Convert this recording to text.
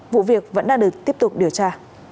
vụ việc vẫn đang được tiếp tục điều tra